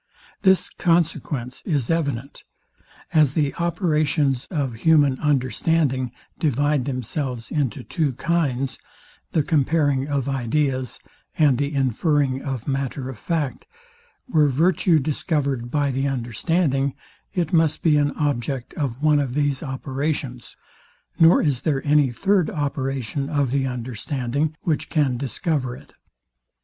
This consequence is evident. As the operations of human understanding divide themselves into two kinds, the comparing of ideas, and the inferring of matter of fact; were virtue discovered by the understanding; it must be an object of one of these operations, nor is there any third operation of the understanding. which can discover it.